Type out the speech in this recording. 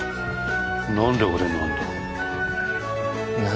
何で俺なんだ。